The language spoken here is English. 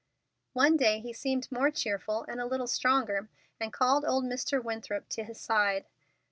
One day he seemed more cheerful and a little stronger, and called old Mr. Winthrop to his side.